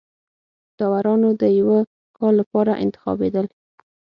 داورانو د یوه کال لپاره انتخابېدل.